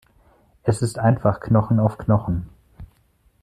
Es ist einfach Knochen auf Knochen.